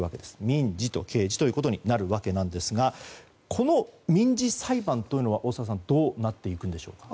民事と刑事ということになるわけですがこの民事裁判というのはどうなっていくのでしょうか。